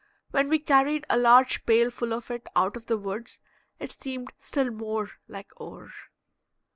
When we carried a large pail full of it out of the woods, it seemed still more like ore.